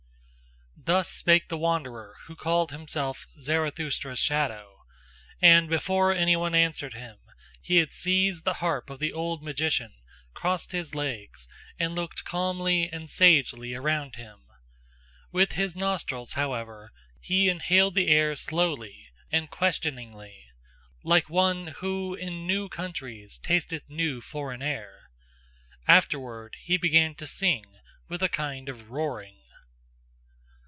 Thus spake the wanderer who called himself Zarathustra's shadow; and before any one answered him, he had seized the harp of the old magician, crossed his legs, and looked calmly and sagely around him: with his nostrils, however, he inhaled the air slowly and questioningly, like one who in new countries tasteth new foreign air. Afterward he began to sing with a kind of roaring.